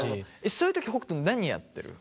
そういうとき北斗何やってるの？